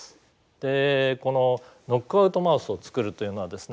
でこのノックアウトマウスを作るというのはですね